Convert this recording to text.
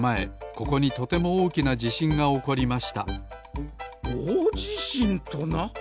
ここにとてもおおきなじしんがおこりましたおおじしんとな！